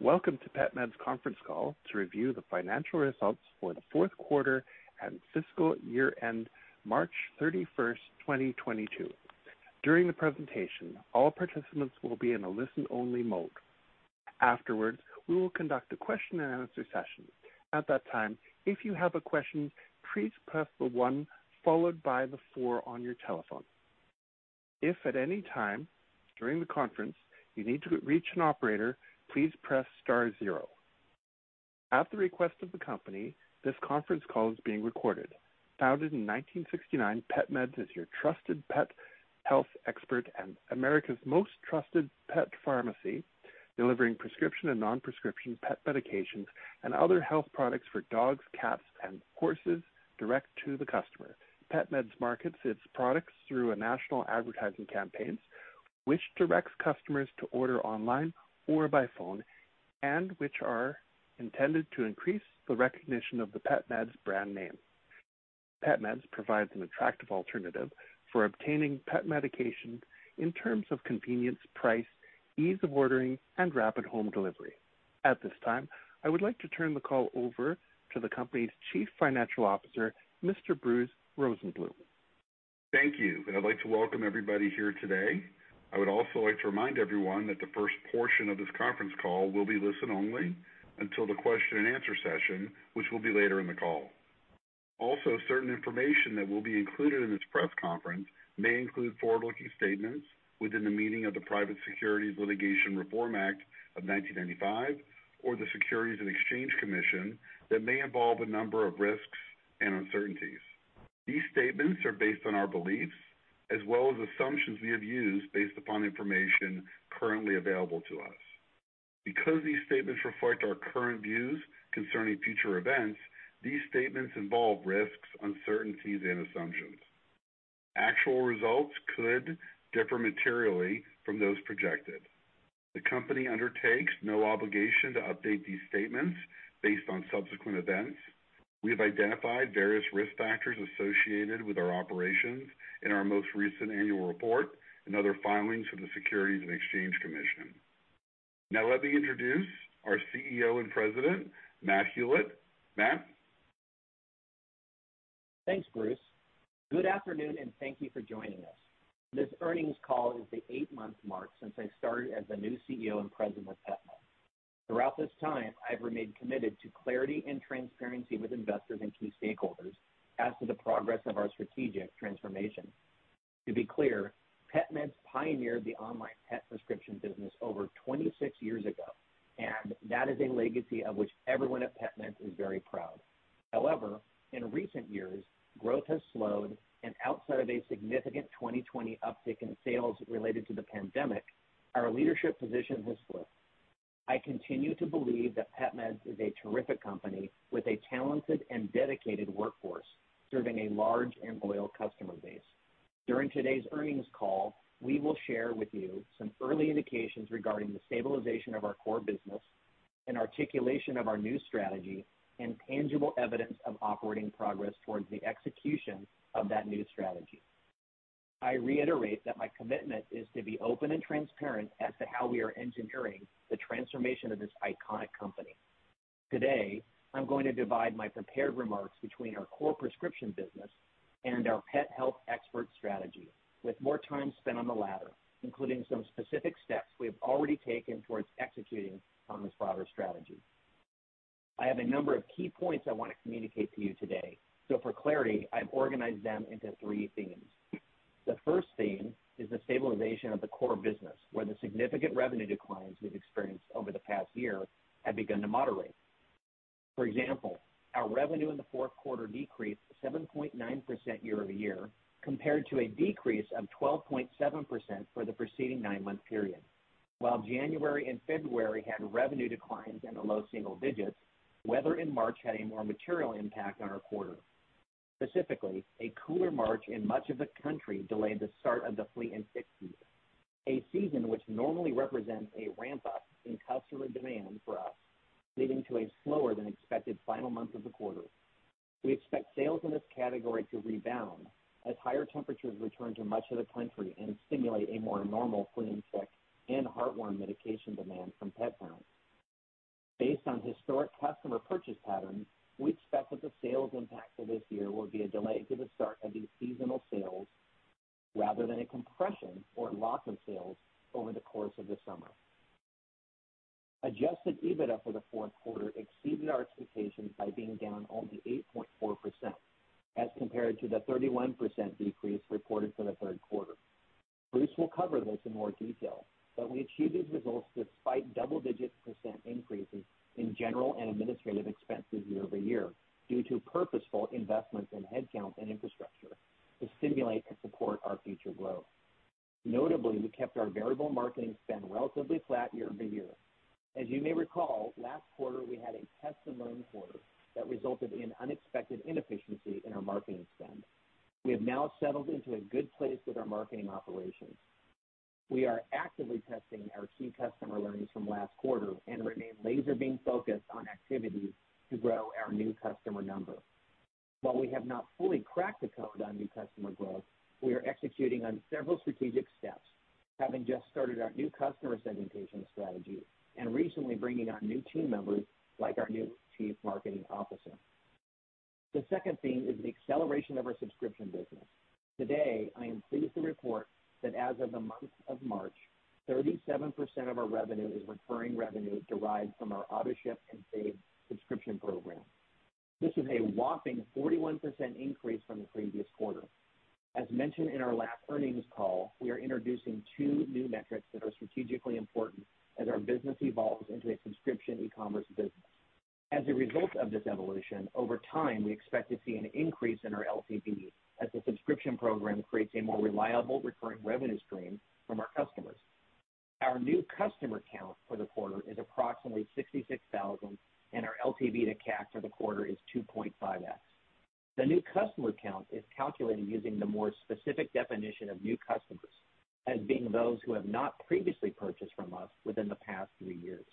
Welcome to PetMeds conference call to review the financial results for the fourth quarter and fiscal year end March 31, 2022. During the presentation, all participants will be in a listen-only mode. Afterwards, we will conduct a question and answer session. At that time, if you have a question, please press the 1 followed by the 4 on your telephone. If at any time during the conference you need to reach an operator, please press star zero. At the request of the company, this conference call is being recorded. Founded in 1969, PetMeds is your trusted pet health expert and America's most trusted pet pharmacy, delivering prescription and non-prescription pet medications and other health products for dogs, cats, and horses direct to the customer. PetMeds markets its products through a national advertising campaigns, which directs customers to order online or by phone, and which are intended to increase the recognition of the PetMeds brand name. PetMeds provides an attractive alternative for obtaining pet medication in terms of convenience, price, ease of ordering, and rapid home delivery. At this time, I would like to turn the call over to the company's Chief Financial Officer, Mr. Bruce Rosenbloom. Thank you. I'd like to welcome everybody here today. I would also like to remind everyone that the first portion of this conference call will be listen only until the question and answer session, which will be later in the call. Certain information that will be included in this press conference may include forward-looking statements within the meaning of the Private Securities Litigation Reform Act of 1995 or the Securities and Exchange Commission that may involve a number of risks and uncertainties. These statements are based on our beliefs as well as assumptions we have used based upon information currently available to us. Because these statements reflect our current views concerning future events, these statements involve risks, uncertainties and assumptions. Actual results could differ materially from those projected. The company undertakes no obligation to update these statements based on subsequent events. We have identified various risk factors associated with our operations in our most recent annual report and other filings with the Securities and Exchange Commission. Now let me introduce our CEO and President, Matt Hulett. Matt? Thanks, Bruce. Good afternoon and thank you for joining us. This earnings call is the 8-month mark since I started as the new CEO and president of PetMeds. Throughout this time, I've remained committed to clarity and transparency with investors and key stakeholders as to the progress of our strategic transformation. To be clear, PetMeds pioneered the online pet prescription business over 26 years ago, and that is a legacy of which everyone at PetMeds is very proud. However, in recent years, growth has slowed and outside of a significant 2020 uptick in sales related to the pandemic, our leadership position has slipped. I continue to believe that PetMeds is a terrific company with a talented and dedicated workforce serving a large and loyal customer base. During today's earnings call, we will share with you some early indications regarding the stabilization of our core business and articulation of our new strategy and tangible evidence of operating progress towards the execution of that new strategy. I reiterate that my commitment is to be open and transparent as to how we are engineering the transformation of this iconic company. Today, I'm going to divide my prepared remarks between our core prescription business and our pet health expert strategy, with more time spent on the latter, including some specific steps we have already taken towards executing on this broader strategy. I have a number of key points I want to communicate to you today, so for clarity, I've organized them into three themes. The first theme is the stabilization of the core business, where the significant revenue declines we've experienced over the past year have begun to moderate. For example, our revenue in the fourth quarter decreased 7.9% year-over-year compared to a decrease of 12.7% for the preceding nine-month period. While January and February had revenue declines in the low single digits, weather in March had a more material impact on our quarter. Specifically, a cooler March in much of the country delayed the start of the flea and tick season, a season which normally represents a ramp up in customer demand for us, leading to a slower than expected final month of the quarter. We expect sales in this category to rebound as higher temperatures return to much of the country and stimulate a more normal flea and tick and heartworm medication demand from pet parents. Based on historic customer purchase patterns, we expect that the sales impact for this year will be a delay to the start of these seasonal sales rather than a compression or loss of sales over the course of the summer. Adjusted EBITDA for the fourth quarter exceeded our expectations by being down only 8.4% as compared to the 31% decrease reported for the third quarter. Bruce will cover this in more detail, but we achieved these results despite double-digit % increases in general and administrative expenses year-over-year due to purposeful investments in headcount and infrastructure to stimulate and support our future growth. Notably, we kept our variable marketing spend relatively flat year-over-year. As you may recall, last quarter we had a test and learn quarter that resulted in unexpected inefficiency in our marketing spend. We have now settled into a good place with our marketing operations. We are actively testing our key customer learnings from last quarter and remain laser beam focused on activities to grow our new customer numbers. While we have not fully cracked the code on new customer growth, we are executing on several strategic steps, having just started our new customer segmentation strategy and recently bringing on new team members like our new Chief Marketing Officer. The second theme is the acceleration of our subscription business. Today, I am pleased to report that as of the month of March, 37% of our revenue is recurring revenue derived from our AutoShip and Save subscription program. This is a whopping 41% increase from the previous quarter. As mentioned in our last earnings call, we are introducing two new metrics that are strategically important as our business evolves into a subscription e-commerce business. As a result of this evolution, over time, we expect to see an increase in our LTV as the subscription program creates a more reliable recurring revenue stream from our customers. Our new customer count for the quarter is approximately 66,000, and our LTV to CAC for the quarter is 2.5x. The new customer count is calculated using the more specific definition of new customers as being those who have not previously purchased from us within the past three years.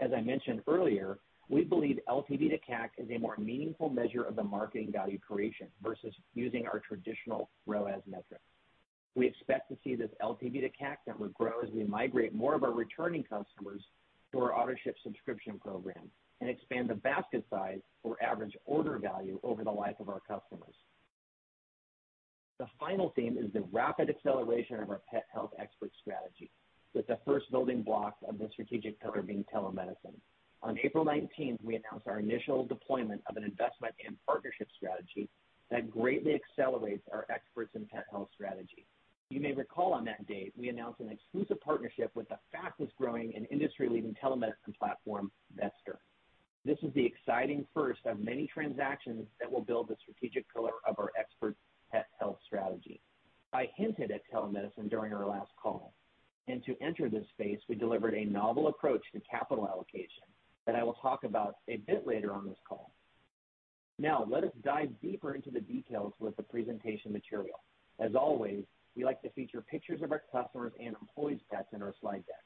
As I mentioned earlier, we believe LTV to CAC is a more meaningful measure of the marketing value creation versus using our traditional ROAS metric. We expect to see this LTV to CAC number grow as we migrate more of our returning customers to our AutoShip subscription program and expand the basket size or average order value over the life of our customers. The final theme is the rapid acceleration of our pet health expert strategy, with the first building block of the strategic pillar being telemedicine. On April nineteenth, we announced our initial deployment of an investment and partnership strategy that greatly accelerates our expertise in pet health strategy. You may recall on that date, we announced an exclusive partnership with the fastest-growing and industry-leading telemedicine platform, Vetster. This is the exciting first of many transactions that will build the strategic pillar of our expert pet health strategy. I hinted at telemedicine during our last call, and to enter this space, we delivered a novel approach to capital allocation that I will talk about a bit later on this call. Now, let us dive deeper into the details with the presentation material. As always, we like to feature pictures of our customers and employees' pets in our slide deck.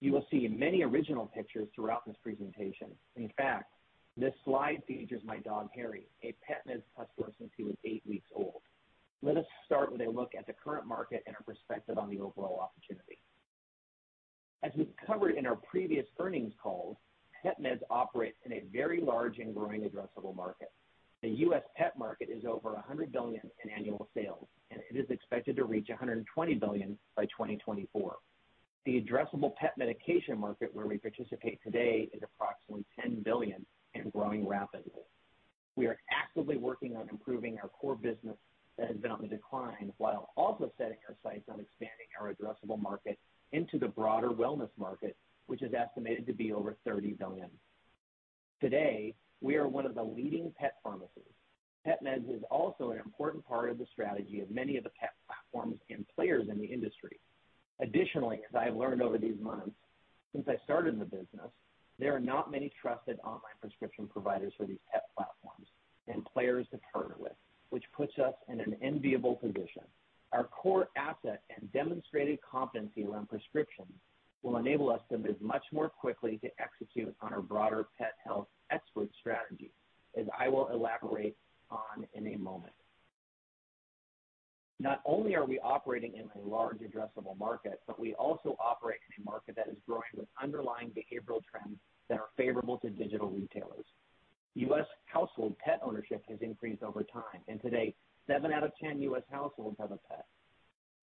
You will see many original pictures throughout this presentation. In fact, this slide features my dog, Harry, a PetMeds customer since he was eight weeks old. Let us start with a look at the current market and our perspective on the overall opportunity. As we've covered in our previous earnings calls, PetMeds operates in a very large and growing addressable market. The U.S. pet market is over $100 billion in annual sales, and it is expected to reach $120 billion by 2024. The addressable pet medication market where we participate today is approximately $10 billion and growing rapidly. We are actively working on improving our core business that has been on the decline, while also setting our sights on expanding our addressable market into the broader wellness market, which is estimated to be over $30 billion. Today, we are one of the leading pet pharmacies. PetMeds is also an important part of the strategy of many of the pet platforms and players in the industry. Additionally, as I have learned over these months since I started in the business, there are not many trusted online prescription providers for these pet platforms and players to partner with, which puts us in an enviable position. Our core asset and demonstrated competency around prescriptions will enable us to move much more quickly to execute on our broader pet health expert strategy, as I will elaborate on in a moment. Not only are we operating in a large addressable market, but we also operate in a market that is growing with underlying behavioral trends that are favorable to digital retailers. U.S. household pet ownership has increased over time, and today, seven out of ten U.S. households have a pet.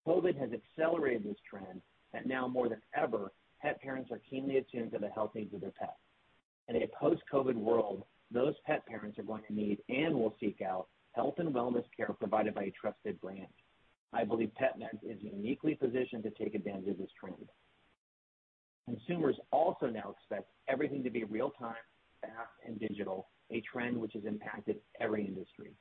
COVID has accelerated this trend that now more than ever, pet parents are keenly attuned to the health needs of their pet. In a post-COVID world, those pet parents are going to need and will seek out health and wellness care provided by a trusted brand. I believe PetMeds is uniquely positioned to take advantage of this trend. Consumers also now expect everything to be real-time, fast, and digital, a trend which has impacted every industry.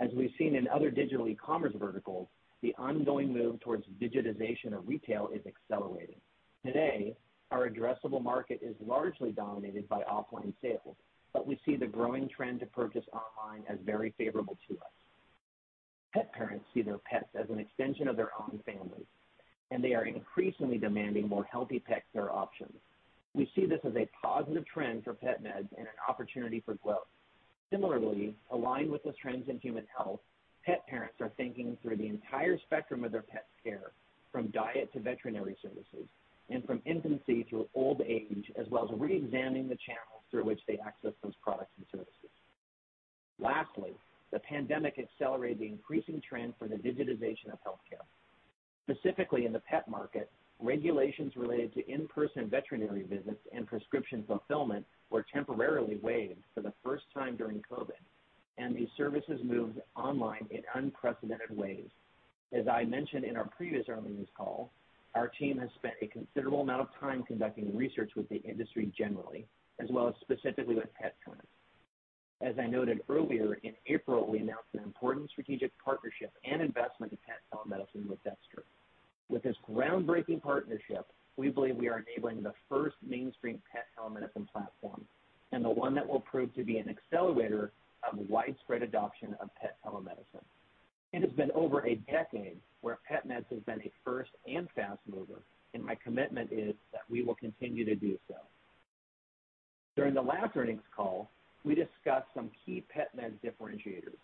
As we've seen in other digital e-commerce verticals, the ongoing move towards digitization of retail is accelerating. Today, our addressable market is largely dominated by offline sales, but we see the growing trend to purchase online as very favorable to us. Pet parents see their pets as an extension of their own families, and they are increasingly demanding more healthy pet care options. We see this as a positive trend for PetMeds and an opportunity for growth. Similarly, aligned with the trends in human health, pet parents are thinking through the entire spectrum of their pet care, from diet to veterinary services and from infancy through old age, as well as reexamining the channels through which they access those products and services. Lastly, the pandemic accelerated the increasing trend for the digitization of healthcare. Specifically in the pet market, regulations related to in-person veterinary visits and prescription fulfillment were temporarily waived for the first time during COVID, and these services moved online in unprecedented ways. As I mentioned in our previous earnings call, our team has spent a considerable amount of time conducting research with the industry generally, as well as specifically with pet parents. As I noted earlier, in April, we announced an important strategic partnership and investment in pet telemedicine with Vetster. With this groundbreaking partnership, we believe we are enabling the first mainstream pet telemedicine platform and the one that will prove to be an accelerator of widespread adoption of pet telemedicine. It has been over a decade where PetMeds has been a first and fast mover, and my commitment is that we will continue to do so. During the last earnings call, we discussed some key PetMeds differentiators.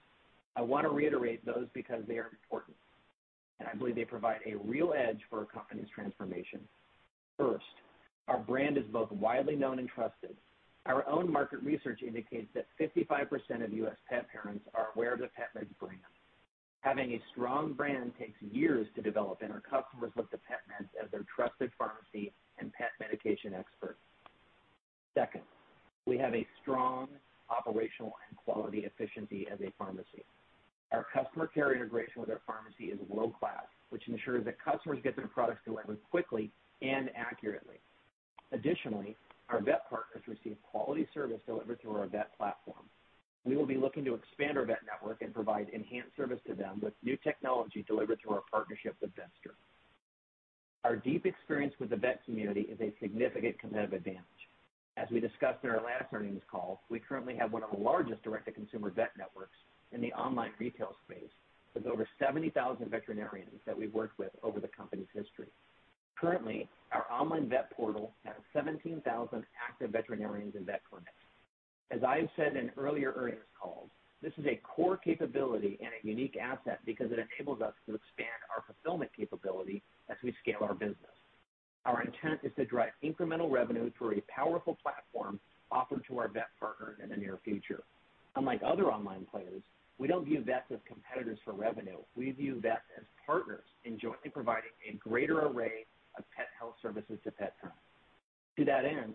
I want to reiterate those because they are important, and I believe they provide a real edge for our company's transformation. First, our brand is both widely known and trusted. Our own market research indicates that 55% of U.S. pet parents are aware of the PetMeds' brand. Having a strong brand takes years to develop, and our customers look to PetMeds as their trusted pharmacy and pet medication expert. Second, we have a strong operational and quality efficiency as a pharmacy. Our customer care integration with our pharmacy is world-class, which ensures that customers get their products delivered quickly and accurately. Additionally, our vet partners receive quality service delivered through our vet platform. We will be looking to expand our vet network and provide enhanced service to them with new technology delivered through our partnership with Vetster. Our deep experience with the vet community is a significant competitive advantage. As we discussed in our last earnings call, we currently have one of the largest direct-to-consumer vet networks in the online retail space, with over 70,000 veterinarians that we've worked with over the company's history. Currently, our online vet portal has 17,000 active veterinarians and vet clinics. As I have said in earlier earnings calls, this is a core capability and a unique asset because it enables us to expand our fulfillment capability as we scale our business. Our intent is to drive incremental revenue through a powerful platform offered to our vet partners in the near future. Unlike other online players, we don't view vets as competitors for revenue. We view vets as partners in jointly providing a greater array of pet health services to pet parents. To that end,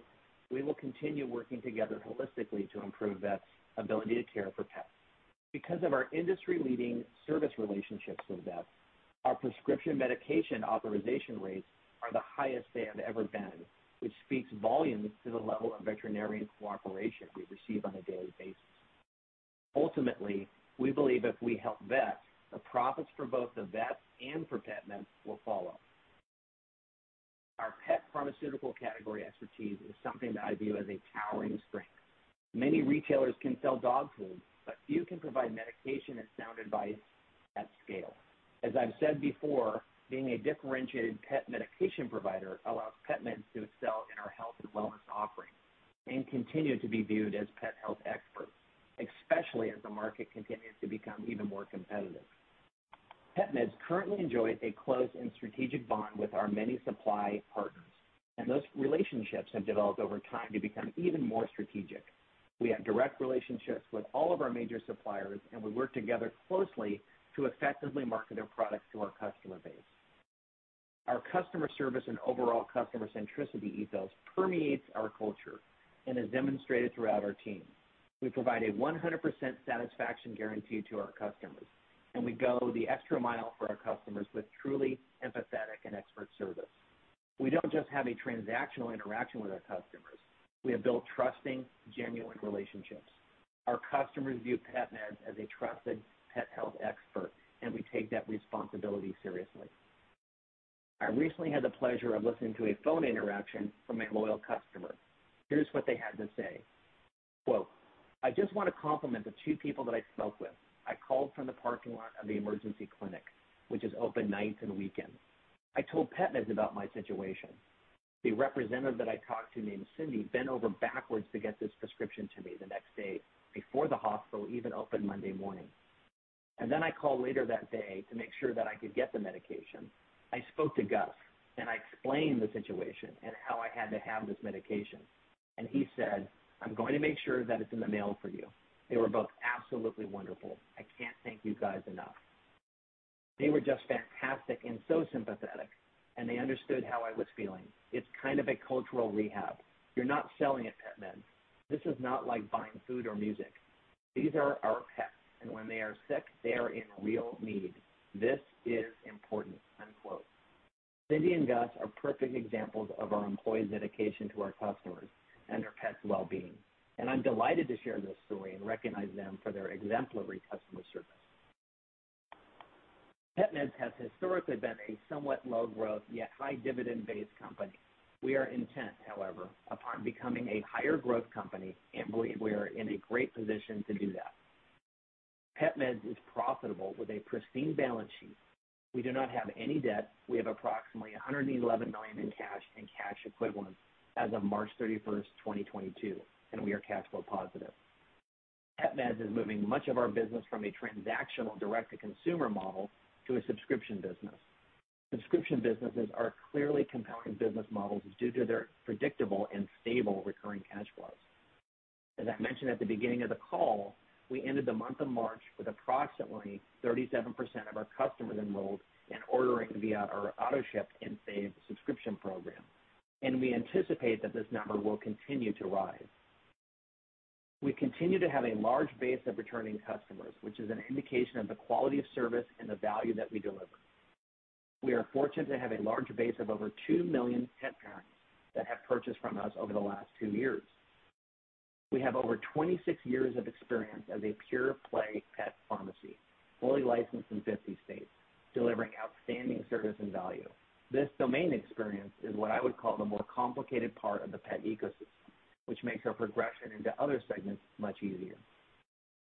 we will continue working together holistically to improve vets' ability to care for pets. Because of our industry-leading service relationships with vets, our prescription medication authorization rates are the highest they have ever been, which speaks volumes to the level of veterinarian cooperation we receive on a daily basis. Ultimately, we believe if we help vets, the profits for both the vets and for PetMeds will follow. Our pet pharmaceutical category expertise is something that I view as a towering strength. Many retailers can sell dog food, but few can provide medication and sound advice at scale. As I've said before, being a differentiated pet medication provider allows PetMeds to excel in our health and wellness offerings and continue to be viewed as pet health experts, especially as the market continues to become even more competitive. PetMeds currently enjoys a close and strategic bond with our many supply partners, and those relationships have developed over time to become even more strategic. We have direct relationships with all of our major suppliers, and we work together closely to effectively market their products to our customer base. Our customer service and overall customer centricity ethos permeates our culture and is demonstrated throughout our team. We provide a 100% satisfaction guarantee to our customers, and we go the extra mile for our customers with truly empathetic and expert service. We don't just have a transactional interaction with our customers. We have built trusting, genuine relationships. Our customers view PetMeds as a trusted pet health expert, and we take that responsibility seriously. I recently had the pleasure of listening to a phone interaction from a loyal customer. Here's what they had to say. Quote, "I just want to compliment the two people that I spoke with. I called from the parking lot of the emergency clinic, which is open nights and weekends. I told PetMeds about my situation. The representative that I talked to, named Cindy, bent over backwards to get this prescription to me the next day before the hospital even opened Monday morning. I called later that day to make sure that I could get the medication. I spoke to Gus, and I explained the situation and how I had to have this medication. He said, "I'm going to make sure that it's in the mail for you." They were both absolutely wonderful. I can't thank you guys enough. They were just fantastic and so sympathetic, and they understood how I was feeling. It's kind of a cultural rehab. You're not selling at PetMeds. This is not like buying food or music. These are our pets, and when they are sick, they are in real need. This is important." Unquote. Cindy and Gus are perfect examples of our employees' dedication to our customers and their pets' well-being. I'm delighted to share this story and recognize them for their exemplary customer service. PetMeds has historically been a somewhat low-growth, yet high dividend-based company. We are intent, however, upon becoming a higher-growth company and believe we are in a great position to do that. PetMeds is profitable with a pristine balance sheet. We do not have any debt. We have approximately $111 million in cash and cash equivalents as of March thirty-first, 2022, and we are cash flow positive. PetMeds is moving much of our business from a transactional direct-to-consumer model to a subscription business. Subscription businesses are clearly compelling business models due to their predictable and stable recurring cash flows. As I mentioned at the beginning of the call, we ended the month of March with approximately 37% of our customers enrolled and ordering via our AutoShip and Save subscription program. We anticipate that this number will continue to rise. We continue to have a large base of returning customers, which is an indication of the quality of service and the value that we deliver. We are fortunate to have a large base of over 2 million pet parents that have purchased from us over the last two years. We have over 26 years of experience as a pure-play pet pharmacy, fully licensed in 50 states, delivering outstanding service and value. This domain experience is what I would call the more complicated part of the pet ecosystem, which makes our progression into other segments much easier.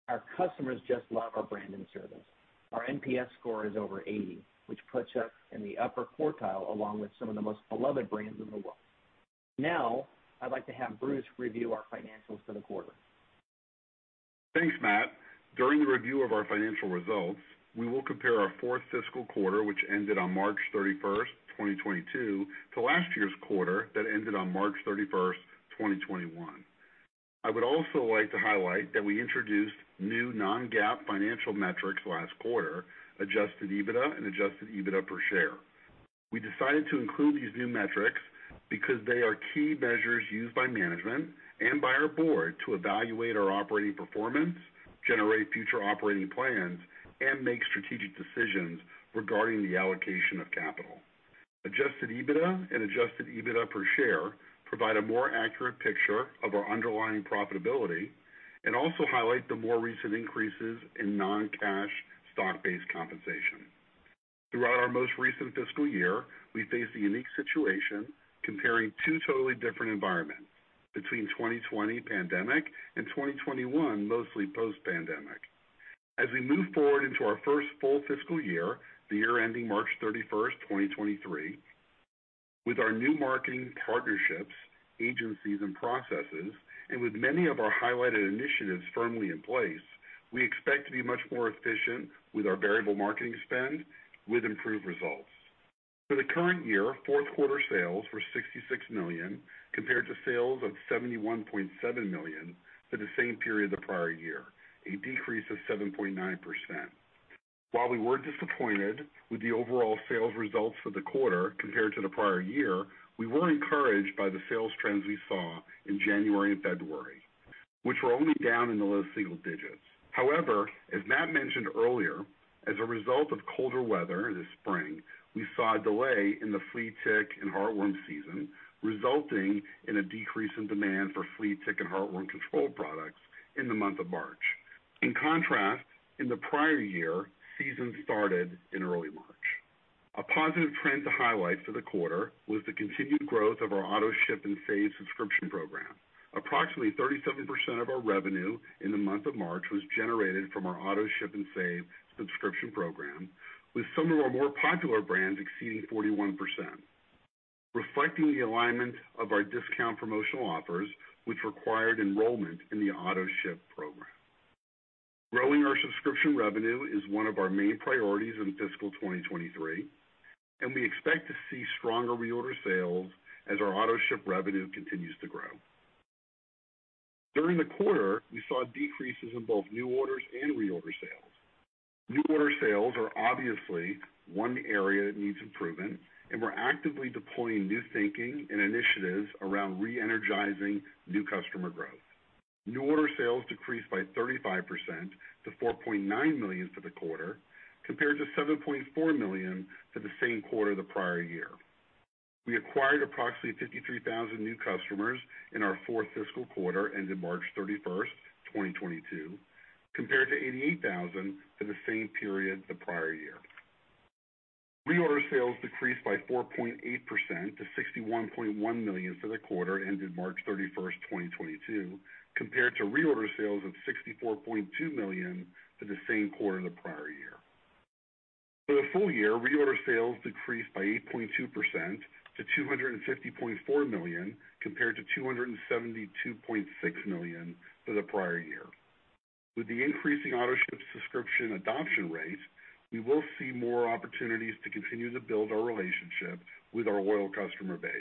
Our customers just love our brand and service. Our NPS score is over 80, which puts us in the upper quartile along with some of the most beloved brands in the world. Now, I'd like to have Bruce review our financials for the quarter. Thanks, Matt. During the review of our financial results, we will compare our fourth fiscal quarter, which ended on March 31, 2022, to last year's quarter that ended on March 31, 2021. I would also like to highlight that we introduced new non-GAAP financial metrics last quarter, adjusted EBITDA and adjusted EBITDA per share. We decided to include these new metrics because they are key measures used by management and by our board to evaluate our operating performance, generate future operating plans, and make strategic decisions regarding the allocation of capital. Adjusted EBITDA and adjusted EBITDA per share provide a more accurate picture of our underlying profitability and also highlight the more recent increases in non-cash stock-based compensation. Throughout our most recent fiscal year, we faced a unique situation comparing two totally different environments between 2020 pandemic and 2021 mostly post-pandemic. As we move forward into our first full fiscal year, the year ending March 31, 2023, with our new marketing partnerships, agencies and processes, and with many of our highlighted initiatives firmly in place, we expect to be much more efficient with our variable marketing spend with improved results. For the current year, fourth quarter sales were $66 million, compared to sales of $71.7 million for the same period the prior year, a decrease of 7.9%. While we were disappointed with the overall sales results for the quarter compared to the prior year, we were encouraged by the sales trends we saw in January and February, which were only down in the low single digits. However, as Matt mentioned earlier, as a result of colder weather this spring, we saw a delay in the flea, tick, and heartworm season, resulting in a decrease in demand for flea, tick, and heartworm control products in the month of March. In contrast, in the prior year, season started in early March. A positive trend to highlight for the quarter was the continued growth of our AutoShip and Save subscription program. Approximately 37% of our revenue in the month of March was generated from our AutoShip and Save subscription program, with some of our more popular brands exceeding 41%, reflecting the alignment of our discount promotional offers, which required enrollment in the AutoShip program. Growing our subscription revenue is one of our main priorities in fiscal 2023, and we expect to see stronger reorder sales as our AutoShip revenue continues to grow. During the quarter, we saw decreases in both new orders and reorder sales. New order sales are obviously one area that needs improvement, and we're actively deploying new thinking and initiatives around re-energizing new customer growth. New order sales decreased by 35% to $4.9 million for the quarter, compared to $7.4 million for the same quarter the prior year. We acquired approximately 53,000 new customers in our fourth fiscal quarter ended March 31, 2022, compared to 88,000 for the same period the prior year. Reorder sales decreased by 4.8% to $61.1 million for the quarter ended March 31, 2022, compared to reorder sales of $64.2 million for the same quarter the prior year. For the full year, reorder sales decreased by 8.2% to $250.4 million, compared to $272.6 million for the prior year. With the increasing AutoShip subscription adoption rate, we will see more opportunities to continue to build our relationship with our loyal customer base.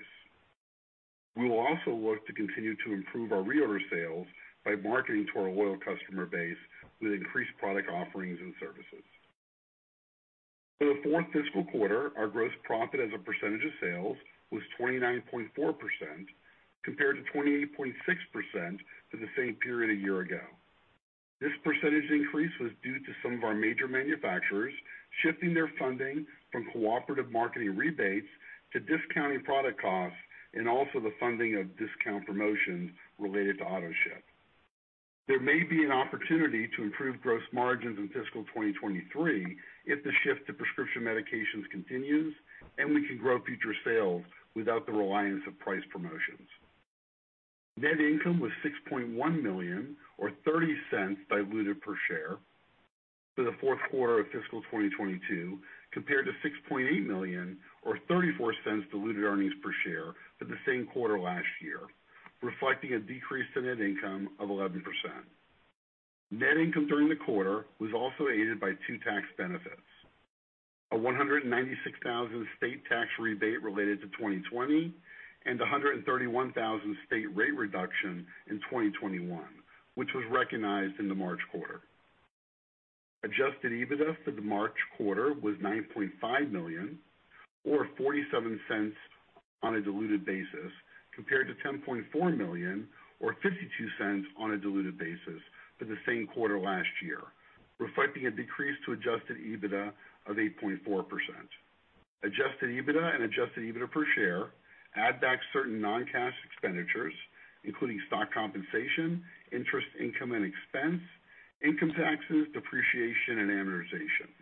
We will also look to continue to improve our reorder sales by marketing to our loyal customer base with increased product offerings and services. For the fourth fiscal quarter, our gross profit as a percentage of sales was 29.4%, compared to 28.6% for the same period a year ago. This percentage increase was due to some of our major manufacturers shifting their funding from cooperative marketing rebates to discounting product costs, and also the funding of discount promotions related to AutoShip. There may be an opportunity to improve gross margins in fiscal 2023 if the shift to prescription medications continues and we can grow future sales without the reliance of price promotions. Net income was $6.1 million or $0.30 diluted per share for the fourth quarter of fiscal 2022, compared to $6.8 million or $0.34 diluted earnings per share for the same quarter last year, reflecting a decrease in net income of 11%. Net income during the quarter was also aided by two tax benefits. A $196,000 state tax rebate related to 2020 and a $131,000 state rate reduction in 2021, which was recognized in the March quarter. Adjusted EBITDA for the March quarter was $9.5 million or $0.47 on a diluted basis, compared to $10.4 million or $0.52 on a diluted basis for the same quarter last year, reflecting a decrease to adjusted EBITDA of 8.4%. Adjusted EBITDA and adjusted EBITDA per share add back certain non-cash expenditures, including stock compensation, interest income and expense, income taxes, depreciation, and amortization.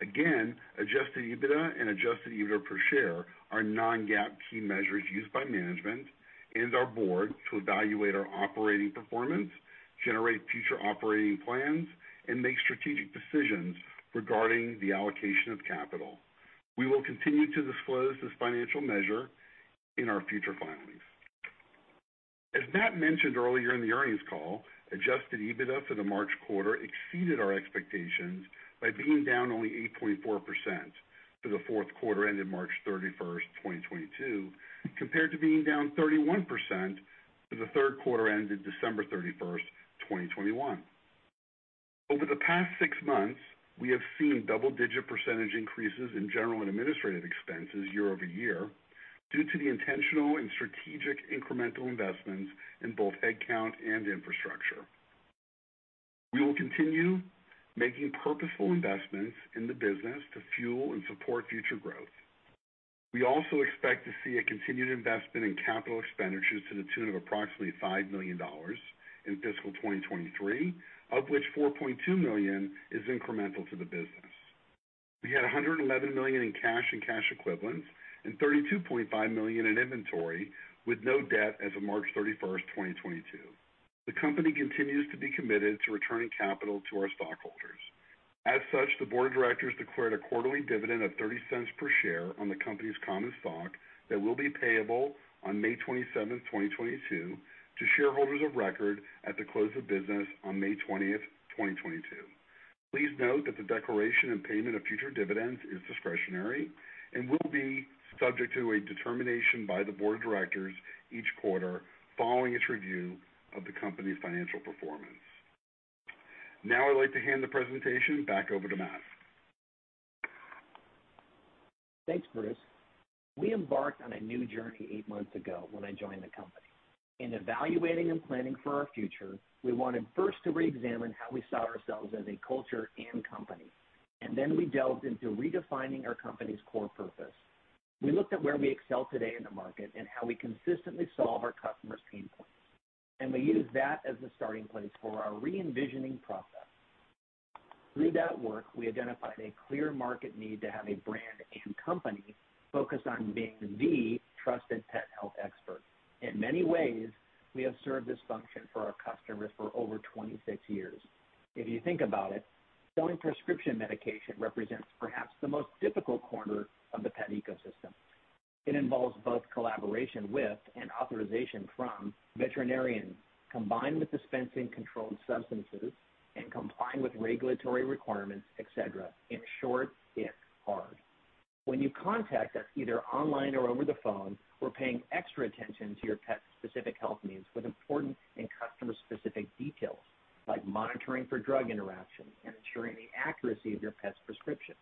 Again, adjusted EBITDA and adjusted EBITDA per share are non-GAAP key measures used by management and our board to evaluate our operating performance, generate future operating plans, and make strategic decisions regarding the allocation of capital. We will continue to disclose this financial measure in our future filings. As Matt mentioned earlier in the earnings call, adjusted EBITDA for the March quarter exceeded our expectations by being down only 8.4% for the fourth quarter ended March 31, 2022, compared to being down 31% for the third quarter ended December 31, 2021. Over the past six months, we have seen double-digit percentage increases in general and administrative expenses year-over-year due to the intentional and strategic incremental investments in both head count and infrastructure. We will continue making purposeful investments in the business to fuel and support future growth. We also expect to see a continued investment in capital expenditures to the tune of approximately $5 million in fiscal 2023, of which $4.2 million is incremental to the business. We had $111 million in cash and cash equivalents, and $32.5 million in inventory, with no debt as of March 31, 2022. The company continues to be committed to returning capital to our stockholders. As such, the board of directors declared a quarterly dividend of $0.30 per share on the company's common stock that will be payable on May 27, 2022 to shareholders of record at the close of business on May 20, 2022. Please note that the declaration and payment of future dividends is discretionary and will be subject to a determination by the board of directors each quarter following its review of the company's financial performance. Now I'd like to hand the presentation back over to Matt. Thanks, Bruce. We embarked on a new journey eight months ago when I joined the company. In evaluating and planning for our future, we wanted first to reexamine how we saw ourselves as a culture and company, and then we delved into redefining our company's core purpose. We looked at where we excel today in the market and how we consistently solve our customers' pain points, and we used that as the starting place for our re-envisioning process. Through that work, we identified a clear market need to have a brand and company focused on being the trusted pet health expert. In many ways, we have served this function for our customers for over 26 years. If you think about it, selling prescription medication represents perhaps the most difficult corner of the pet ecosystem. It involves both collaboration with and authorization from veterinarians, combined with dispensing controlled substances and complying with regulatory requirements, et cetera. In short, it's hard. When you contact us either online or over the phone, we're paying extra attention to your pet's specific health needs with important and customer-specific details like monitoring for drug interactions and ensuring the accuracy of your pet's prescription.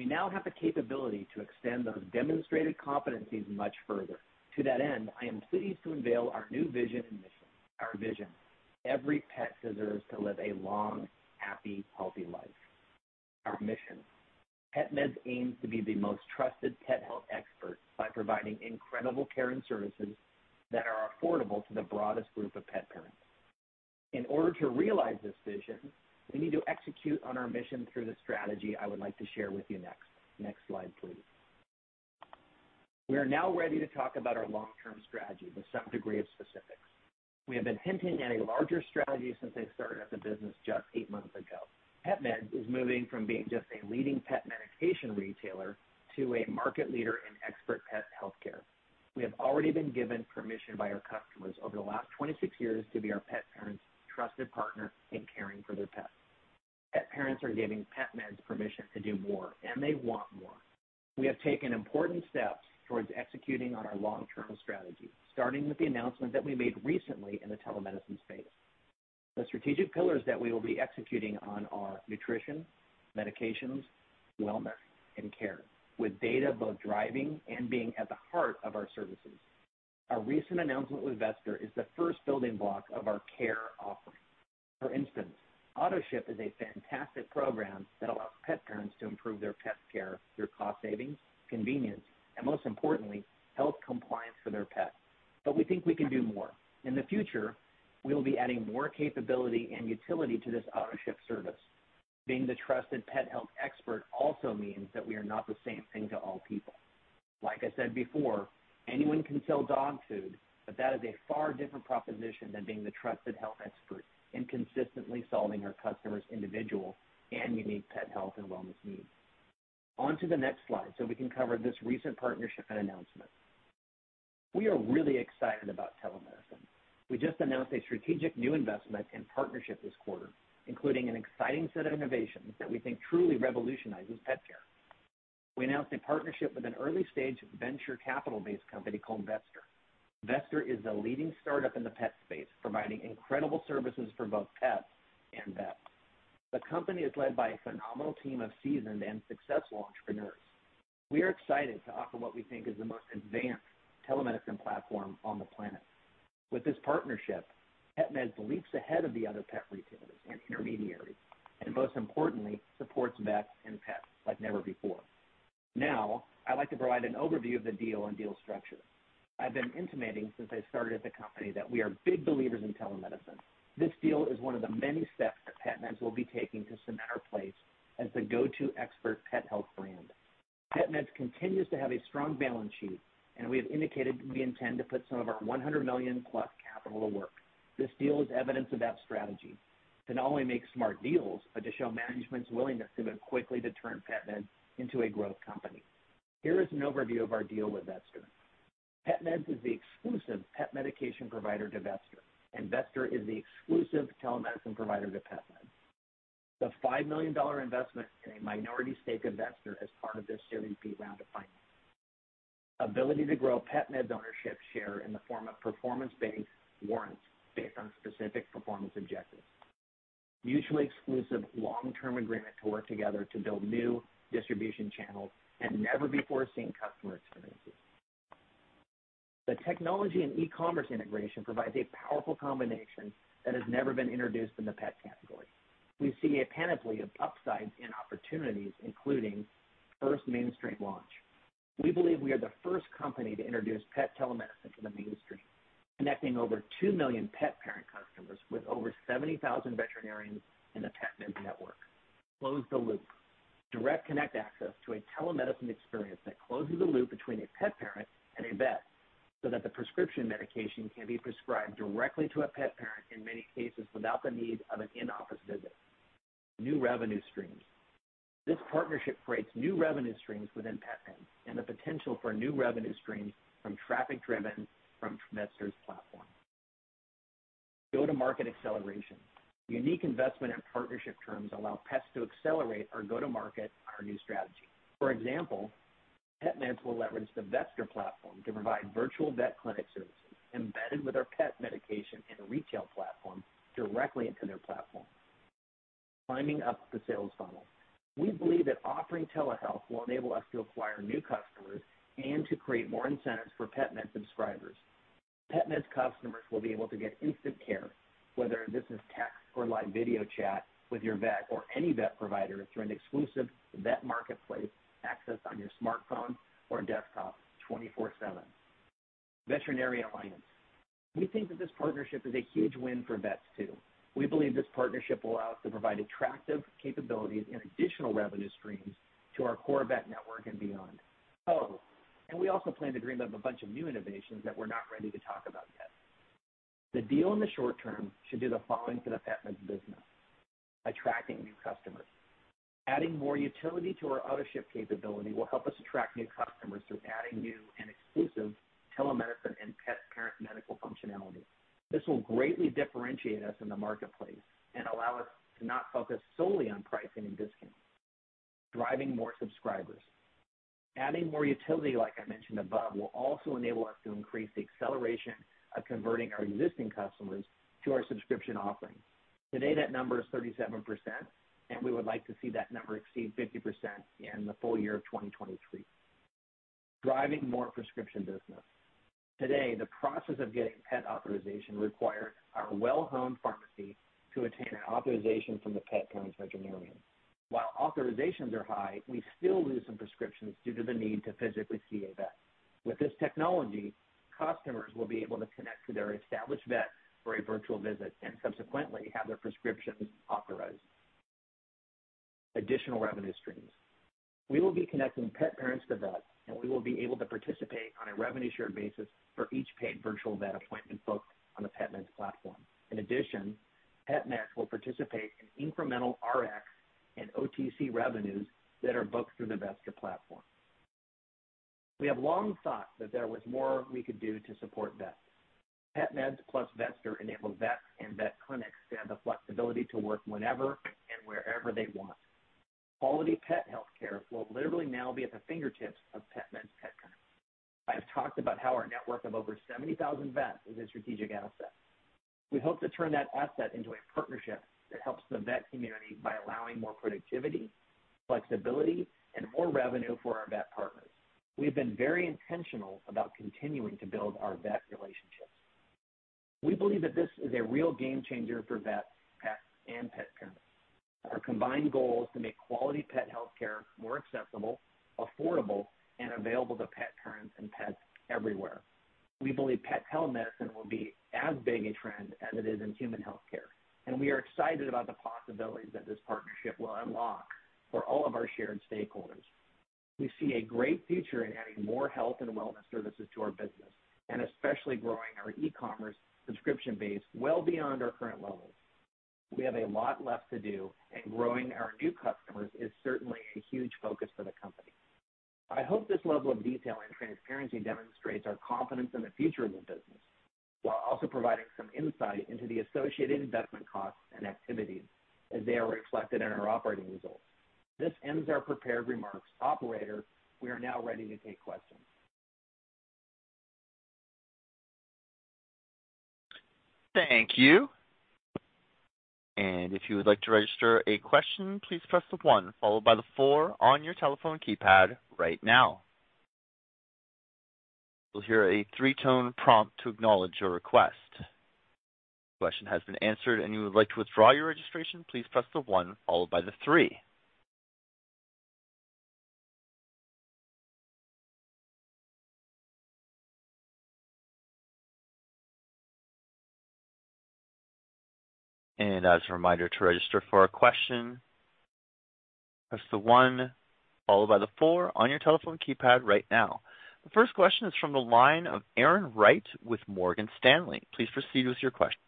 We now have the capability to extend those demonstrated competencies much further. To that end, I am pleased to unveil our new vision and mission. Our vision, every pet deserves to live a long, happy, healthy life. Our mission, PetMeds aims to be the most trusted pet health expert by providing incredible care and services that are affordable to the broadest group of pet parents. In order to realize this vision, we need to execute on our mission through the strategy I would like to share with you next. Next slide, please. We are now ready to talk about our long-term strategy with some degree of specifics. We have been hinting at a larger strategy since I started at the business just 8 months ago. PetMeds is moving from being just a leading pet medication retailer to a market leader in expert pet healthcare. We have already been given permission by our customers over the last 26 years to be our pet parents' trusted partner in caring for their pets. Pet parents are giving PetMeds permission to do more, and they want more. We have taken important steps towards executing on our long-term strategy, starting with the announcement that we made recently in the telemedicine space. The strategic pillars that we will be executing on are nutrition, medications, wellness, and care, with data both driving and being at the heart of our services. Our recent announcement with Vetster is the first building block of our care offering. For instance, AutoShip is a fantastic program that allows pet parents to improve their pet care through cost savings, convenience, and most importantly, health compliance for their pets. We think we can do more. In the future, we will be adding more capability and utility to this AutoShip service. Being the trusted pet health expert also means that we are not the same thing to all people. Like I said before, anyone can sell dog food, but that is a far different proposition than being the trusted health expert in consistently solving our customers' individual and unique pet health and wellness needs. On to the next slide so we can cover this recent partnership and announcement. We are really excited about telemedicine. We just announced a strategic new investment and partnership this quarter, including an exciting set of innovations that we think truly revolutionizes pet care. We announced a partnership with an early-stage venture capital-based company called Vetster. Vetster is a leading startup in the pet space, providing incredible services for both pets and vets. The company is led by a phenomenal team of seasoned and successful entrepreneurs. We are excited to offer what we think is the most advanced telemedicine platform on the planet. With this partnership, PetMeds leaps ahead of the other pet retailers and intermediaries, and most importantly, supports vets and pets like never before. Now, I'd like to provide an overview of the deal and deal structure. I've been intimating since I started at the company that we are big believers in telemedicine. This deal is one of the many steps that PetMeds will be taking to cement our place as the go-to expert pet health brand. PetMeds continues to have a strong balance sheet, and we have indicated we intend to put some of our $100 million-plus capital to work. This deal is evidence of that strategy to not only make smart deals, but to show management's willingness to then quickly turn PetMeds into a growth company. Here is an overview of our deal with Vetster. PetMeds is the exclusive pet medication provider to Vetster, and Vetster is the exclusive telemedicine provider to PetMeds. The $5 million investment in a minority stake investor as part of this Series B round of financing. Ability to grow PetMeds ownership share in the form of performance-based warrants based on specific performance objectives. Mutually exclusive long-term agreement to work together to build new distribution channels and never-before-seen customer experiences. The technology and e-commerce integration provides a powerful combination that has never been introduced in the pet category. We see a panoply of upsides and opportunities, including first mainstream launch. We believe we are the first company to introduce pet telemedicine to the mainstream, connecting over 2 million pet parent customers with over 70,000 veterinarians in the PetMeds network. Close the loop. Direct connect access to a telemedicine experience that closes the loop between a pet parent and a vet so that the prescription medication can be prescribed directly to a pet parent, in many cases without the need of an in-office visit. New revenue streams. This partnership creates new revenue streams within PetMeds and the potential for new revenue streams from traffic driven from Vetster's platform. Go-to-market acceleration. Unique investment and partnership terms allow PetMeds to accelerate our go-to-market our new strategy. For example, PetMeds will leverage the Vetster platform to provide virtual vet clinic services embedded with our pet medication and retail platform directly into their platform. Climbing up the sales funnel. We believe that offering telehealth will enable us to acquire new customers and to create more incentives for PetMeds subscribers. PetMeds customers will be able to get instant care, whether this is text or live video chat with your vet or any vet provider through an exclusive vet marketplace access on your smartphone or desktop 24/7. Veterinary alliance. We think that this partnership is a huge win for vets too. We believe this partnership will allow us to provide attractive capabilities and additional revenue streams to our core vet network and beyond. Oh, we also plan to dream up a bunch of new innovations that we're not ready to talk about yet. The deal in the short term should do the following to the PetMeds business. Attracting new customers. Adding more utility to our ownership capability will help us attract new customers through adding new and exclusive telemedicine and pet parent medical functionality. This will greatly differentiate us in the marketplace and allow us to not focus solely on pricing and discounts. Driving more subscribers. Adding more utility, like I mentioned above, will also enable us to increase the acceleration of converting our existing customers to our subscription offerings. Today, that number is 37%, and we would like to see that number exceed 50% in the full year of 2023. Driving more prescription business. Today, the process of getting pet authorization requires our well-honed pharmacy to obtain authorization from the pet-owning veterinarian. While authorizations are high, we still lose some prescriptions due to the need to physically see a vet. With this technology, customers will be able to connect to their established vet for a virtual visit and subsequently have their prescriptions authorized. Additional revenue streams. We will be connecting pet parents to vets, and we will be able to participate on a revenue share basis for each paid virtual vet appointment booked on the PetMeds platform. In addition, PetMeds will participate in incremental RX and OTC revenues that are booked through the Vetster platform. We have long thought that there was more we could do to support vets. PetMeds plus Vetster enable vets and vet clinics to have the flexibility to work whenever and wherever they want. Quality pet health care will literally now be at the fingertips of PetMeds pet parents. I've talked about how our network of over 70,000 vets is a strategic asset. We hope to turn that asset into a partnership that helps the vet community by allowing more productivity, flexibility, and more revenue for our vet partners. We have been very intentional about continuing to build our vet relationships. We believe that this is a real game changer for vets, pets, and pet parents. Our combined goal is to make quality pet health care more accessible, affordable, and available to pet parents and pets everywhere. We believe pet telemedicine will be as big a trend as it is in human healthcare, and we are excited about the possibilities that this partnership will unlock for all of our shared stakeholders. We see a great future in adding more health and wellness services to our business, and especially growing our e-commerce subscription base well beyond our current levels. We have a lot left to do, and growing our new customers is certainly a huge focus for the company. I hope this level of detail and transparency demonstrates our confidence in the future of the business, while also providing some insight into the associated investment costs and activities as they are reflected in our operating results. This ends our prepared remarks. Operator, we are now ready to take questions. Thank you. If you would like to register a question, please press the one followed by the four on your telephone keypad right now. You'll hear a 3-tone prompt to acknowledge your request. Question has been answered, and you would like to withdraw your registration, please press the 1 followed by the 3. As a reminder to register for a question, press the 1 followed by the 4 on your telephone keypad right now. The first question is from the line of Erin Wright with Morgan Stanley. Please proceed with your question.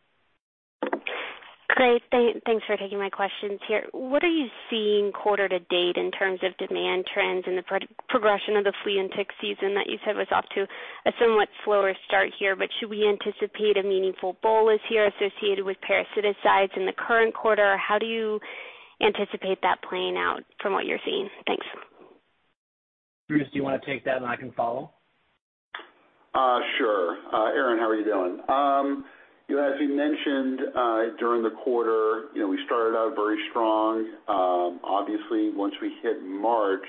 Great. Thanks for taking my questions here. What are you seeing quarter to date in terms of demand trends and the progression of the flea and tick season that you said was off to a somewhat slower start here, but should we anticipate a meaningful bulge here associated with parasiticides in the current quarter? How do you anticipate that playing out from what you're seeing? Thanks. Bruce, do you wanna take that and I can follow? Sure. Erin, how are you doing? You know, as we mentioned, during the quarter, you know, we started out very strong. Obviously once we hit March,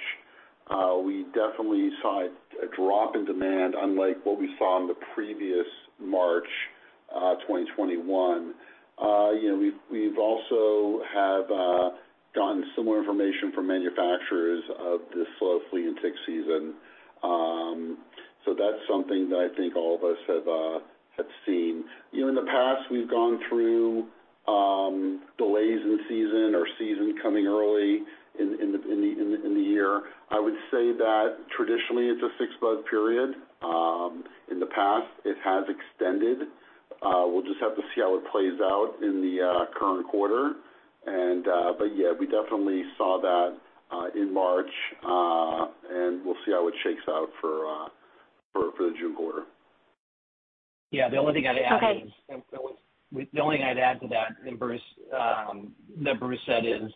we definitely saw a drop in demand unlike what we saw in the previous March, 2021. You know, we've also have gotten similar information from manufacturers of this slow flea and tick season. So that's something that I think all of us have seen. You know, in the past, we've gone through delays in season or season coming early in the year. I would say that traditionally it's a six-month period. In the past, it has extended. We'll just have to see how it plays out in the current quarter. Yeah, we definitely saw that in March. We'll see how it shakes out for the June quarter. Yeah. The only thing I'd add is. Okay. The only thing I'd add to that, and Bruce, that Bruce said is,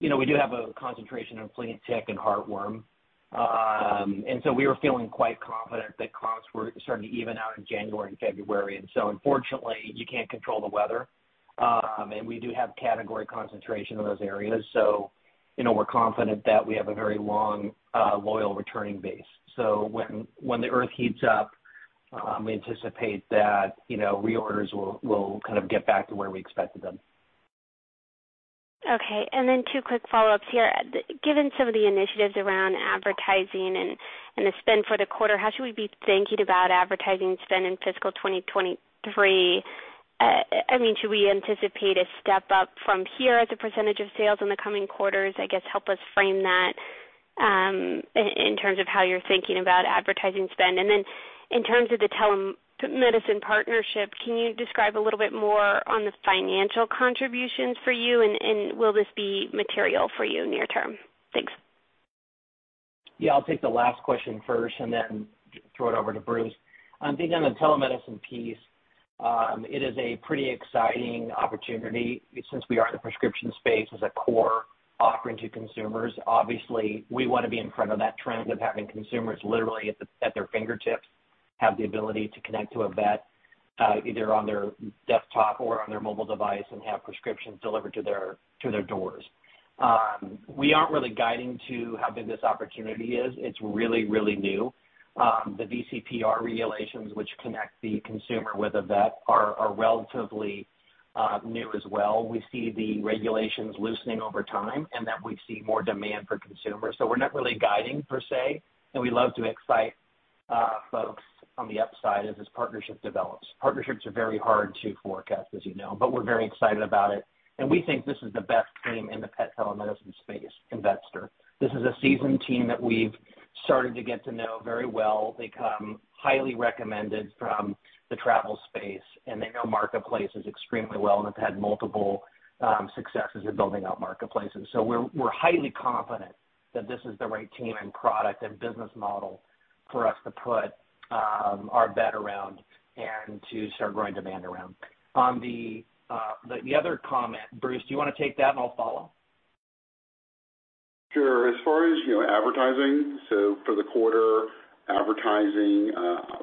you know, we do have a concentration in flea and tick and heartworm. We were feeling quite confident that costs were starting to even out in January and February. Unfortunately, you can't control the weather. We do have category concentration in those areas. You know, we're confident that we have a very long, loyal returning base. When the earth heats up, we anticipate that, you know, reorders will kind of get back to where we expected them. Okay. Two quick follow-ups here. Given some of the initiatives around advertising and the spend for the quarter, how should we be thinking about advertising spend in fiscal 2023? I mean, should we anticipate a step up from here as a percentage of sales in the coming quarters? I guess help us frame that, in terms of how you're thinking about advertising spend. In terms of the telemedicine partnership, can you describe a little bit more on the financial contributions for you, and will this be material for you near term? Thanks. Yeah. I'll take the last question first and then throw it over to Bruce. I think on the telemedicine piece, it is a pretty exciting opportunity since we are in the prescription space as a core offering to consumers. Obviously, we wanna be in front of that trend of having consumers literally at their fingertips, have the ability to connect to a vet, either on their desktop or on their mobile device and have prescriptions delivered to their doors. We aren't really guiding to how big this opportunity is. It's really, really new. The VCPR regulations, which connect the consumer with a vet are relatively new as well. We see the regulations loosening over time and that we see more demand for consumers. We're not really guiding per se, and we love to excite, folks on the upside as this partnership develops. Partnerships are very hard to forecast, as you know, but we're very excited about it. We think this is the best team in the pet telemedicine space in Vetster. This is a seasoned team that we've started to get to know very well. They come highly recommended from the travel space, and they know marketplaces extremely well, and they've had multiple successes in building out marketplaces. We're highly confident that this is the right team and product and business model for us to put our bet around and to start growing demand around. On the other comment, Bruce, do you wanna take that and I'll follow? Sure. As far as, you know, advertising, so for the quarter, advertising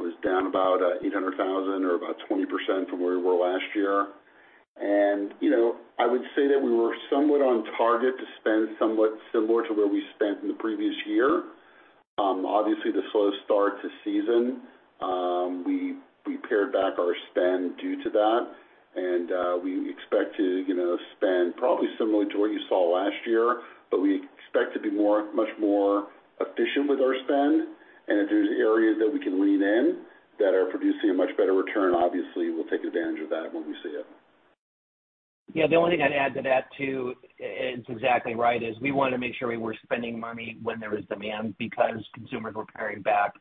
was down about $800,000 or about 20% from where we were last year. You know, I would say that we were somewhat on target to spend somewhat similar to where we spent in the previous year. Obviously, the slow start to season, we pared back our spend due to that. We expect to, you know, spend probably similar to what you saw last year, but we expect to be much more efficient with our spend. If there's areas that we can lean in that are producing a much better return, obviously we'll take advantage of that when we see it. Yeah. The only thing I'd add to that, too, it's exactly right, is we wanna make sure we were spending money when there was demand because consumers were paring back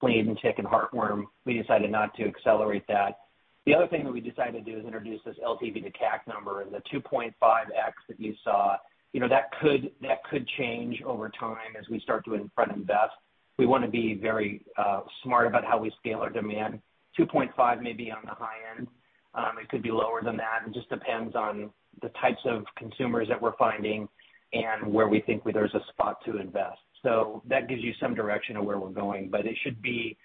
flea and tick and heartworm. We decided not to accelerate that. The other thing that we decided to do is introduce this LTV to CAC number and the 2.5x that you saw. You know, that could change over time as we start to invest. We wanna be very smart about how we scale our demand. 2.5 may be on the high end. It could be lower than that. It just depends on the types of consumers that we're finding and where we think there's a spot to invest. That gives you some direction of where we're going, but it should be,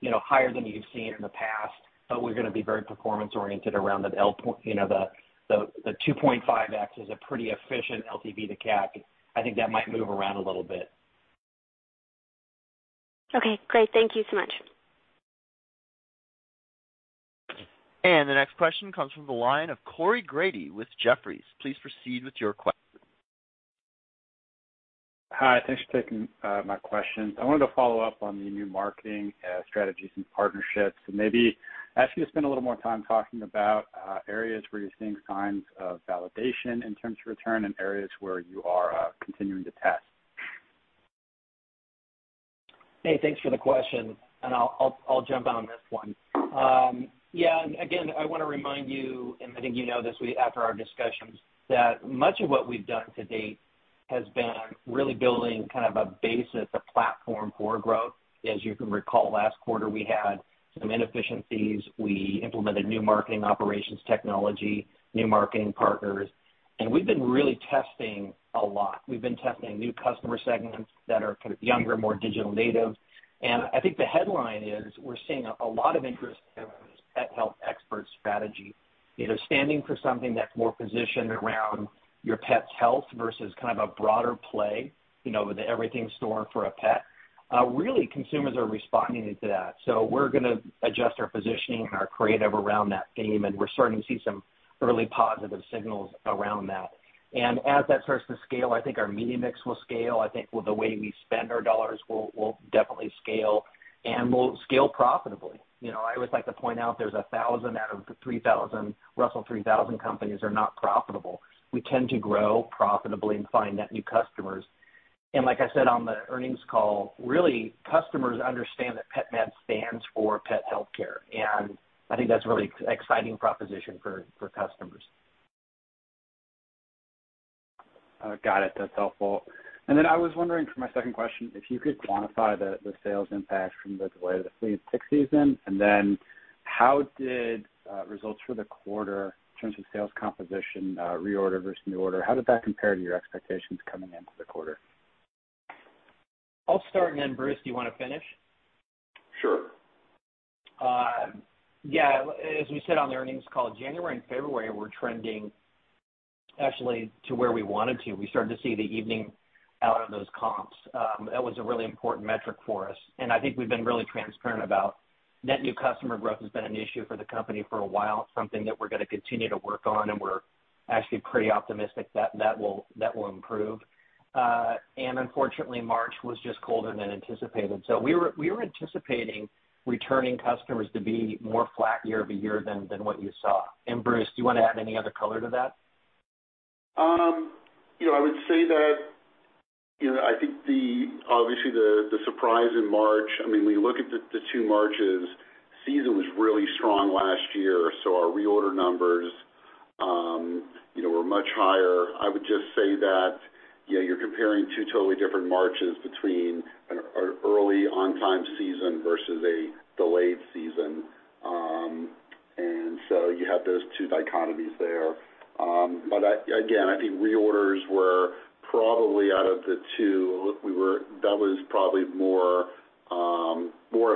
you know, higher than you've seen in the past, but we're gonna be very performance-oriented around that LTV point. You know, the 2.5x is a pretty efficient LTV to CAC. I think that might move around a little bit. Okay, great. Thank you so much. The next question comes from the line of Corey Grady with Jefferies. Please proceed with your question. Hi, thanks for taking my question. I wanted to follow up on the new marketing strategies and partnerships, and maybe ask you to spend a little more time talking about areas where you're seeing signs of validation in terms of return and areas where you are continuing to test. Hey, thanks for the question, and I'll jump on this one. Yeah. Again, I wanna remind you, and I think you know this, we, after our discussions, that much of what we've done to date has been really building kind of a basis, a platform for growth. As you can recall, last quarter, we had some inefficiencies. We implemented new marketing operations technology, new marketing partners, and we've been really testing a lot. We've been testing new customer segments that are kind of younger, more digital native. I think the headline is we're seeing a lot of interest in pet health expert strategy. You know, standing for something that's more positioned around your pet's health versus kind of a broader play, you know, the everything store for a pet, really consumers are responding to that. We're gonna adjust our positioning and our creative around that theme, and we're starting to see some early positive signals around that. As that starts to scale, I think our media mix will scale. I think with the way we spend our dollars will definitely scale, and we'll scale profitably. You know, I always like to point out there's 1,000 out of the 3,000 Russell 3000 companies are not profitable. We tend to grow profitably and find net new customers. Like I said on the earnings call, really, customers understand that PetMeds stands for pet healthcare, and I think that's a really exciting proposition for customers. Got it. That's helpful. I was wondering for my second question, if you could quantify the sales impact from the delay to the flea and tick season, and then how did results for the quarter in terms of sales composition, reorder versus new order, how did that compare to your expectations coming into the quarter? I'll start, and then Bruce, do you wanna finish? Sure. Yeah. As we said on the earnings call, January and February were trending actually to where we wanted to. We started to see the evening out of those comps. That was a really important metric for us. I think we've been really transparent about net new customer growth has been an issue for the company for a while, something that we're gonna continue to work on, and we're actually pretty optimistic that that will improve. Unfortunately, March was just colder than anticipated. We were anticipating returning customers to be more flat year over year than what you saw. Bruce, do you wanna add any other color to that? You know, I would say that, you know, I think obviously the surprise in March. I mean, when you look at the two Marches, the season was really strong last year, so our reorder numbers, you know, were much higher. I would just say that, you know, you're comparing two totally different Marches between an early on time season versus a delayed season. You have those two dichotomies there. Again, I think reorders were probably out of the two, that was probably more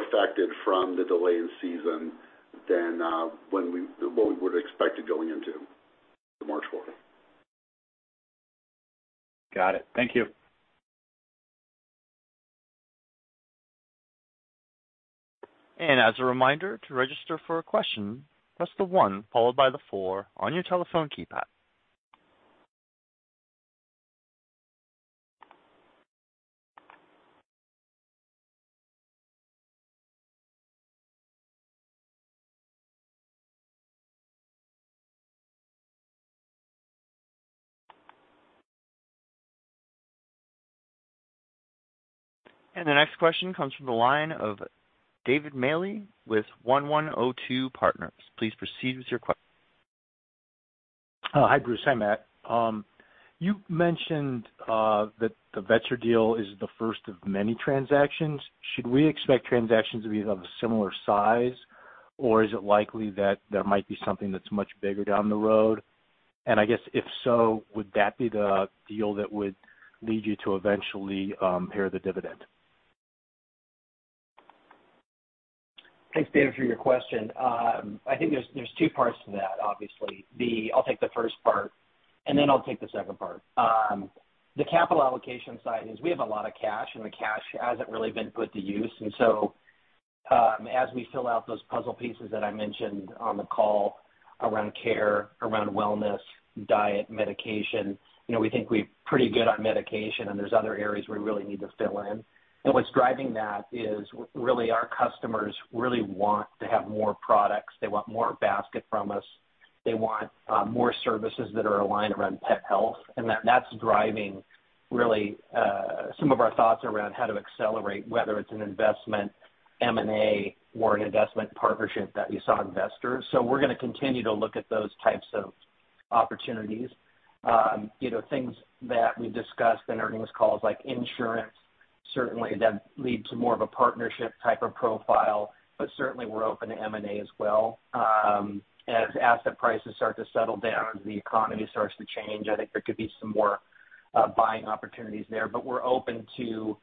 affected from the delay in season than what we would expect it going into the March quarter. Got it. Thank you. As a reminder, to register for a question, press the one followed by the four on your telephone keypad. The next question comes from the line of David Maley with 1102 Partners. Please proceed with your question. Oh, hi, Bruce. Hi, Matt. You mentioned that the Vetster deal is the first of many transactions. Should we expect transactions to be of a similar size, or is it likely that there might be something that's much bigger down the road? I guess, if so, would that be the deal that would lead you to eventually pare the dividend? Thanks, David, for your question. I think there's two parts to that, obviously. I'll take the first part, and then I'll take the second part. The capital allocation side is we have a lot of cash, and the cash hasn't really been put to use. As we fill out those puzzle pieces that I mentioned on the call around care, around wellness, diet, medication, you know, we think we're pretty good on medication, and there's other areas we really need to fill in. What's driving that is really our customers really want to have more products. They want more basket from us. They want more services that are aligned around pet health, and that's driving really some of our thoughts around how to accelerate, whether it's an investment, M&A or an investment partnership that we show investors. We're gonna continue to look at those types of opportunities. You know, things that we discussed in earnings calls like insurance, certainly that lead to more of a partnership type of profile, but certainly we're open to M&A as well. As asset prices start to settle down, as the economy starts to change, I think there could be some more buying opportunities there, but we're open to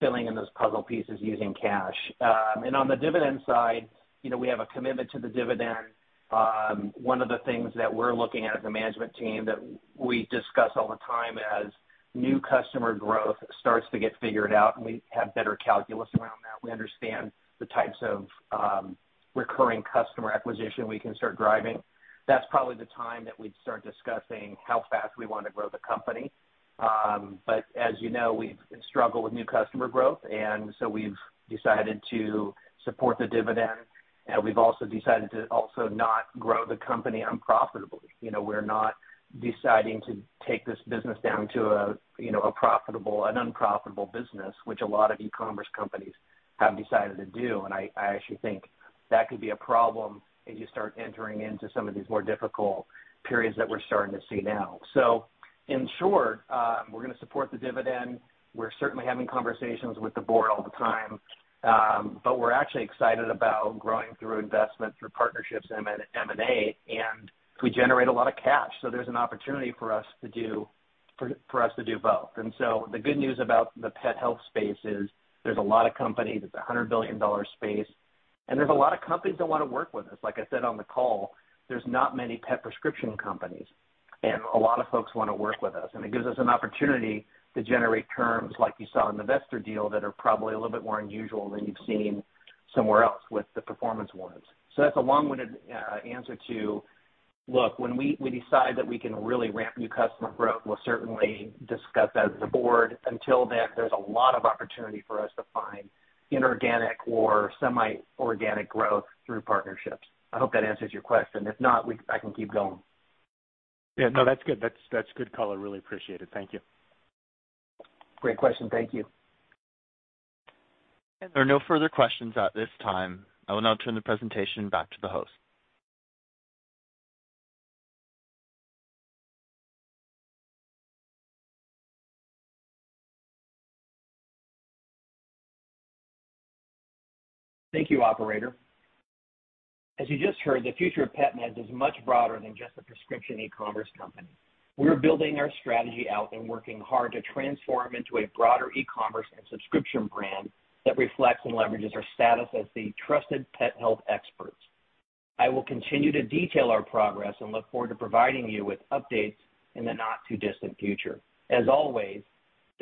filling in those puzzle pieces using cash. On the dividend side, you know, we have a commitment to the dividend. One of the things that we're looking at as a management team that we discuss all the time as new customer growth starts to get figured out, and we have better calculus around that. We understand the types of recurring customer acquisition we can start driving. That's probably the time that we'd start discussing how fast we wanna grow the company. As you know, we've struggled with new customer growth, and so we've decided to support the dividend. We've also decided to also not grow the company unprofitably. You know, we're not deciding to take this business down to a profitable and unprofitable business, which a lot of e-commerce companies have decided to do. I actually think that could be a problem as you start entering into some of these more difficult periods that we're starting to see now. In short, we're gonna support the dividend. We're certainly having conversations with the board all the time, but we're actually excited about growing through investment, through partnerships and M&A, and we generate a lot of cash, so there's an opportunity for us to do both. The good news about the pet health space is there's a lot of companies. It's a $100 billion space, and there's a lot of companies that wanna work with us. Like I said on the call, there's not many pet prescription companies, and a lot of folks wanna work with us. It gives us an opportunity to generate terms like you saw in the Vetster deal that are probably a little bit more unusual than you've seen somewhere else with the performance warrants. That's a long-winded answer to... Look, when we decide that we can really ramp new customer growth, we'll certainly discuss that as the board. Until then, there's a lot of opportunity for us to find inorganic or semi-organic growth through partnerships. I hope that answers your question. If not, I can keep going. Yeah. No, that's good. That's good color. Really appreciate it. Thank you. Great question. Thank you. There are no further questions at this time. I will now turn the presentation back to the host. Thank you, operator. As you just heard, the future of PetMeds is much broader than just a prescription e-commerce company. We're building our strategy out and working hard to transform into a broader e-commerce and subscription brand that reflects and leverages our status as the trusted pet health experts. I will continue to detail our progress and look forward to providing you with updates in the not too distant future. As always,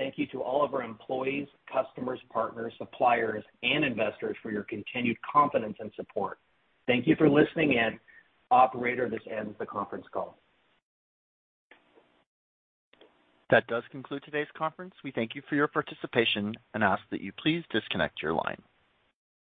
thank you to all of our employees, customers, partners, suppliers, and investors for your continued confidence and support. Thank you for listening in. Operator, this ends the conference call. That does conclude today's conference. We thank you for your participation and ask that you please disconnect your line.